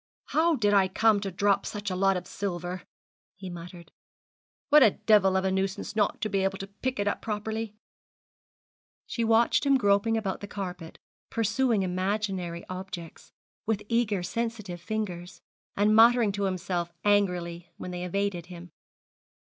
'How did I come to drop such a lot of silver?' he muttered; 'what a devil of a nuisance not to be able to pick it up properly?' She watched him groping about the carpet, pursuing imaginary objects, with eager sensitive fingers, and muttering to himself angrily when they evaded him.